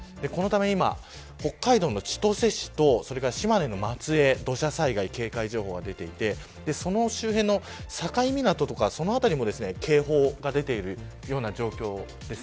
今、北海道の千歳市とそれから島根の松江に土砂災害警戒情報が出ていてその周辺の境港とかその辺りも警報が出ているような状況です。